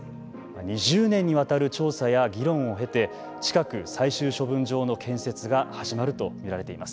２０年にわたる調査や議論を経て近く、最終処分場の建設が始まると見られています。